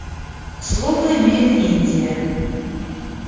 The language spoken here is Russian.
Слово имеет Индия.